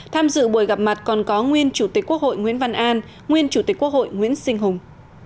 tham dự buổi gặp mặt còn có nguyên chủ tịch quốc hội nguyễn văn an nguyên chủ tịch quốc hội nguyễn sinh hùng